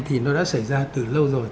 thì nó đã xảy ra từ lâu rồi